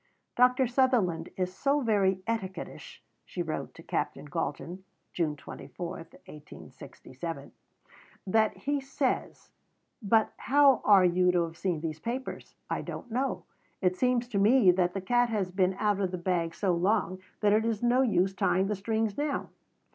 "Dr. Sutherland is so very etiquettish," she wrote to Captain Galton (June 24, 1867), "that he says, But how are you to have seen these papers? I don't know. It seems to me that the cat has been out of the bag so long that it is no use tying the strings now.